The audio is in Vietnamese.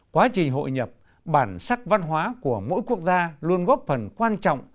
quá trình hội nhập bản sắc văn hóa của mỗi quốc gia luôn góp phần quan trọng